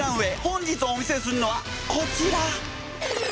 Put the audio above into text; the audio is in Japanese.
本日お見せするのはこちら！